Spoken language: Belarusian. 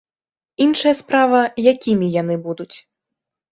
Іншая справа, якімі яны будуць.